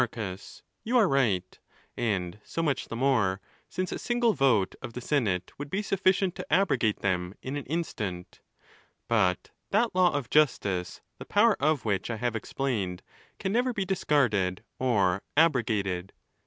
Marcus.—You are right, and so sali the more, since a single vote of the senate would be sufficient to abrogate them in an instant. But that law of justice, the power of which I have explained, can never be discarded or abrogated.